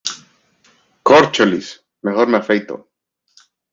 Córcholis, mejor me afeito.